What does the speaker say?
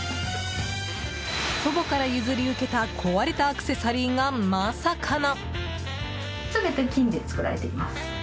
祖母から譲り受けた壊れたアクセサリーがまさかの。